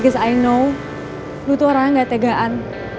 karena gue tau lo tuh orang yang gak tegaan